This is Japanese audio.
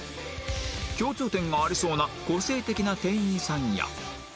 共通点がありそうな個性的な店員さんや